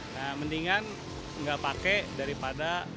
nah mendingan nggak pakai daripada